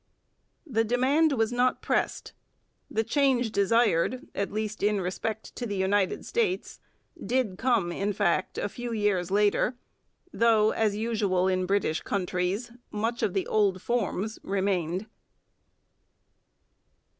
The demand was not pressed. The change desired, at least in respect to the United States, did come in fact a few years later, though, as usual in British countries, much of the old forms remained.